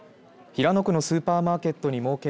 平野区のスーパーマーケットに